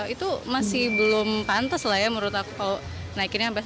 itu masih belum pantas lah ya menurut aku kalau naikinnya sampai rp satu ratus tiga puluh